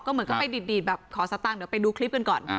เหมือนก็ไปดีดแบบขอสตางค์เดี๋ยวไปดูคลิปกันก่อน